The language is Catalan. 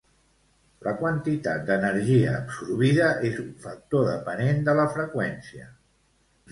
La quantitat d'energia absorbida és un factor depenent de la freqüència.